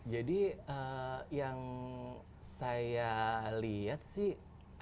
jadi yang saya lihat sih